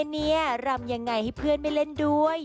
เนี่ยลำอย่างไรให้เพื่อนไปเล่นด้วย